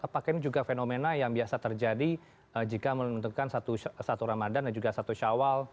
apakah ini juga fenomena yang biasa terjadi jika menentukan satu ramadhan dan juga satu syawal